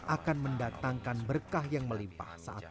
akan mendatangkan berkah yang melimpah saat